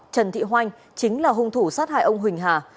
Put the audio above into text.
trần thị hoanh chính là hung thủ sát hại ông huỳnh hà